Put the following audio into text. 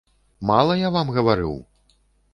Мала я вам гаварыў?